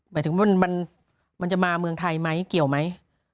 หมายถึงมันจะมาเมืองไทยไหมเกี่ยวไหม